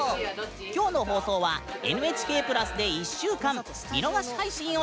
今日の放送はＮＨＫプラスで１週間見逃し配信をしているよ！